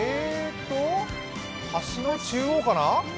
橋の中央かな？